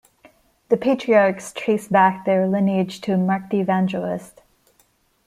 The Patriarchs trace back their lineage to Mark the Evangelist.